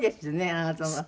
あなたは。